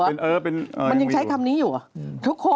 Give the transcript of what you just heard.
มันยังใช้คำนี้อยู่